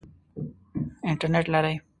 انټرنټ لرئ؟